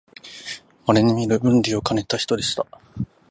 まれにみる文理両方をかねた人でした